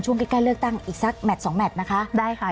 ช่วงกิ๊กก้าเลือกตั้งอีกสักแมทสองแมทนะคะ